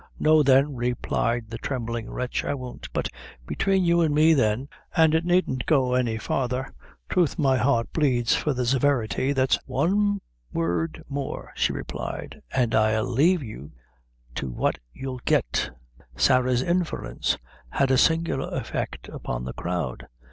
"No, then," replied the trembling wretch, "I won't; but between you an' me, then, an' it needn't go farther troth my heart bleeds for the severity that's " "One word more," she replied, "an' I lave you to what you'll get." Sarah's interference had a singular effect upon the crowd.